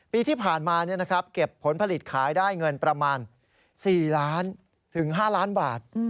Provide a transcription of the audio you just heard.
ปีที่ผ่านมาเก็บผลผลิตขายได้เงินประมาณ๔ล้านถึง๕ล้านบาท